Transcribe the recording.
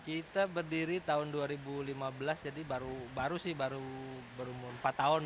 kita berdiri tahun dua ribu lima belas jadi baru sih baru berumur empat tahun